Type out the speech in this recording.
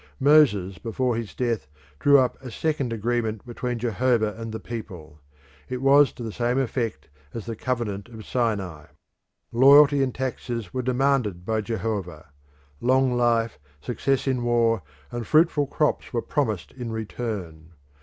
Moses before his death drew up a second agreement between Jehovah and the people. It was to the same effect as the covenant of Sinai. Loyalty and taxes were demanded by Jehovah; long life, success in war, and fruitful crops were promised in return.